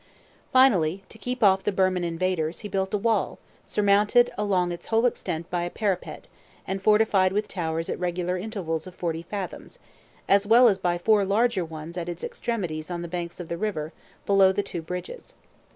Finally, to keep off the Birman invaders, he built a wall, surmounted along its whole extent by a parapet, and fortified with towers at regular intervals of forty fathoms, as well as by four larger ones at its extremities on the banks of the river, below the two bridges.